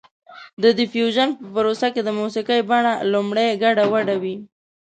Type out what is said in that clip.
د ډیفیوژن په پروسه کې د موسیقۍ بڼه لومړی ګډه وډه وي